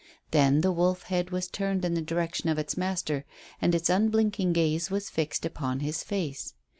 Then the wolf head was turned in the direction of its master, and its unblinking gaze was fixed upon his face.